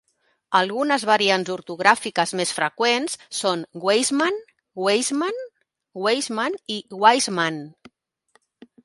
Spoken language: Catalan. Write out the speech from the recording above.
Algunes variants ortogràfiques més freqüents són Weismann, Weissman, Weisman i Waismann.